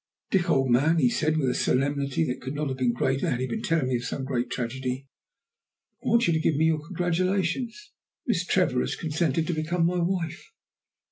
"Dick, old man," he said with a solemnity that could not have been greater had he been telling me of some great tragedy, "I want you to give me your congratulations. Miss Trevor has consented to become my wife."